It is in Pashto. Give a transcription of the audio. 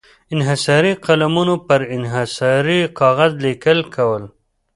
انحصاري قلمونو پر انحصاري کاغذ لیکل کول.